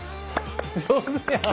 上手やん！